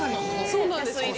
◆そうなんです。